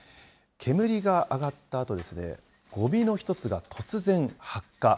煙が上がったあと、ごみの１つが突然、発火。